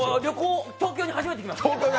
東京に初めて来ました。